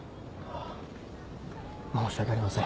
あ申し訳ありません。